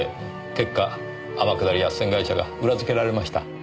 結果天下り斡旋会社が裏付けられました。